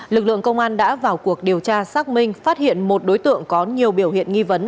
lực lượng công an đã vào cuộc điều tra xác minh phát hiện một đối tượng có nhiều biểu hiện nghi vấn